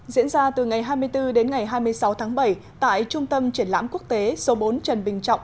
diễn ra từ ngày hai mươi bốn đến ngày hai mươi sáu tháng bảy tại trung tâm triển lãm quốc tế số bốn trần bình trọng